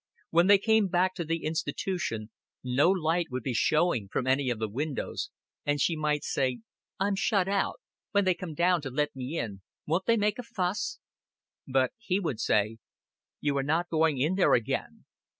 When they came back to the Institution no light would be showing from any of the windows, and she might say, "I'm shut out. When they come down to let me in, won't they make a fuss?" But he would say, "You are not going in there again."